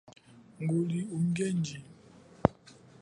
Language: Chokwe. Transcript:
Nguli mu ungeji.